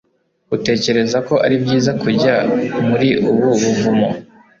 utekereza ko ari byiza kujya muri ubu buvumo